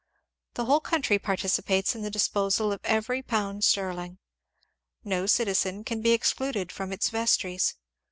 The whole country participates in the disposal of every pound sterling. No citizen can be ex cluded from its vestries.